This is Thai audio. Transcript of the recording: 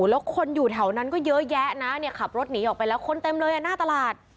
แล้วคนอยู่แถวนั้นก็เยอะแยะนะเนี่ยขับรถหนีออกไปแล้วคนเต็มเลยอ่ะหน้าตลาด